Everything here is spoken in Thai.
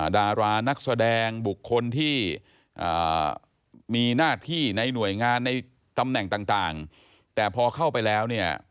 ดารานักแสดงบุคคลที่มีหน้าที่ในหน่วยงานในตำแหน่งต่างแต่พอเข้าไปแล้วเนี่ย